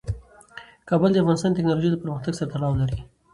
کابل د افغانستان د تکنالوژۍ له پرمختګ سره تړاو لري.